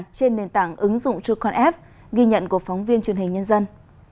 trên nền tảng ứng dụng truconf ghi nhận của phóng viên truyền hình nhân dân